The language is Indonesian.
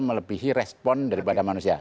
melebihi respon daripada manusia